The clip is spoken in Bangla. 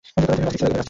তিনি নাস্তিক ছিলেন।